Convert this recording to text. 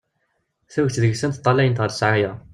Tuget deg-sent ṭṭalayent ɣer ssɛaya.